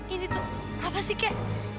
ini tuh apa sih kek